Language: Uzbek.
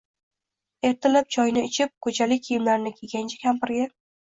Ertalab choyini ichib, ko`chalik kiyimlarini kiygancha, kampiriga